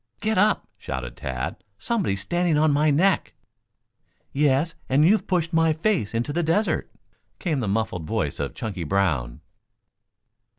"Get up!" shouted Tad. "Somebody's standing on my neck." "Yes, and and you've pushed my face into the desert," came the muffled voice of Chunky Brown.